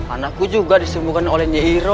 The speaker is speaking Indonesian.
anakku juga disembuhkan oleh nyihiro